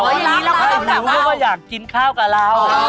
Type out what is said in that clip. หิวก็แปลว่าอยากกินข้าวกับเรา